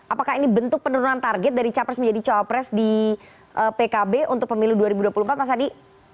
apakah ini bentuk penurunan target dari capres menjadi cawapres di pkb untuk pemilu dua ribu dua puluh empat mas adi